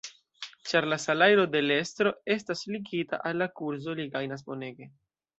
Ĉar la salajro de l’ estro estas ligita al la kurzo, li gajnas bonege.